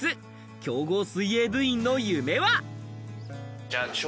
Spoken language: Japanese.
強豪水泳部員の夢は？